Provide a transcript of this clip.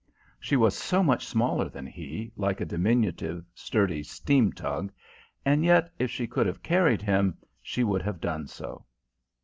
She was so much smaller than he, like a diminutive, sturdy steam tug; and yet if she could have carried him, she would have done so.